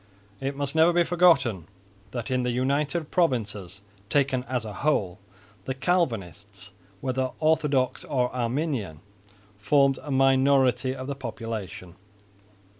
It must never be forgotten that in the United Provinces taken as a whole, the Calvinists, whether orthodox or arminian, formed a minority of the population.